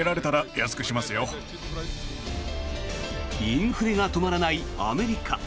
インフレが止まらないアメリカ。